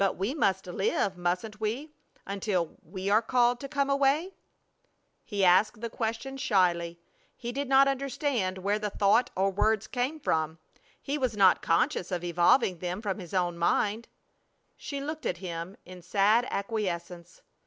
"But we must live, mustn't we, until we are called to come away?" He asked the question shyly. He did not understand where the thought or words came from. He was not conscious of evolving them from his own mind. She looked at him in sad acquiescence.